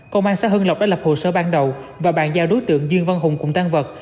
công an xã hưng lộc đã lập hồ sơ ban đầu và bàn giao đối tượng dương văn hùng cùng tan vật